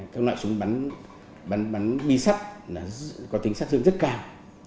các loại súng bắn bi sắt có tính sát thương rất cao